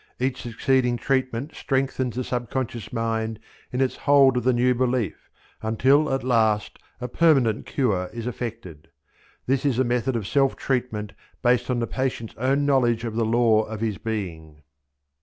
Each succeeding treatment strengthens the sub conscious mind in its hold of the new belief until at last a permanent cure is effected. This is the method of self treatment based on the patient's own knowledge of the law of his being.